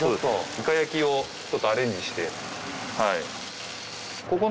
イカ焼きをちょっとアレンジして。